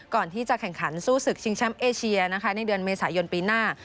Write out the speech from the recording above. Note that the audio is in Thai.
ก่อนที่จะแข่งขันสู้ศึกชิงแชมป์เอเชียนะคะในเดือนเมษายนปีหน้า